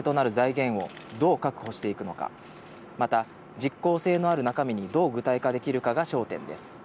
裏付けとなる財源をどう確保していくのか、また実効性のある中身にどう具体化できるかが焦点です。